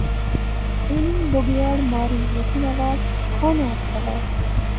اُنی بگیاڑ ماری۔۔۔ لیکن آواز کھاناں اچھے وہا